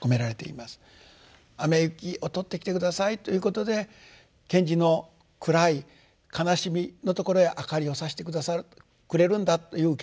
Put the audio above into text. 雨雪を取ってきて下さいということで賢治の暗い悲しみのところへ明かりをさして下さるくれるんだという受け止め方。